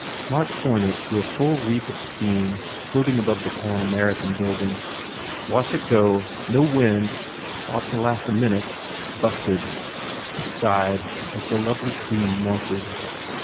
Mark pointed to a full wreath of steam floating above the Pan American building, "Watch it go. No wind. Ought to last a minute. Busted," he sighed, as the lovely cream melted.